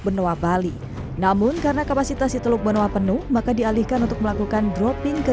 benoa bali namun karena kapasitas di teluk benoa penuh maka dialihkan untuk melakukan dropping ke